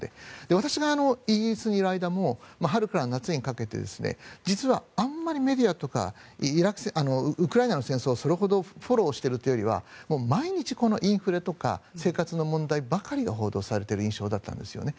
私がイギリスにいる間も春から夏にかけて実はあまりメディアとかウクライナの戦争をそれほどフォローしているというよりは毎日インフレとか生活の問題ばかりが報道されている印象だったんですよね。